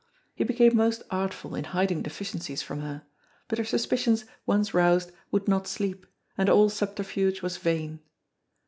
He became most artful in hiding deficiencies from her, but her suspicions once roused would not sleep, and all subterfuge was vain.